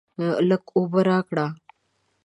لږ اوبه راکړه.